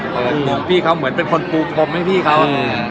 มุมพี่เขาเหมือนเป็นคนปูพรมให้พี่เขา